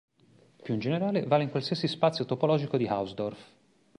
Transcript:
Più in generale, vale in qualsiasi spazio topologico di Hausdorff.